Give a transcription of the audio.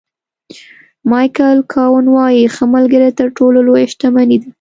مایکل کاون وایي ښه ملګری تر ټولو لویه شتمني ده.